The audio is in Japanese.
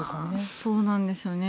そうなんですよね。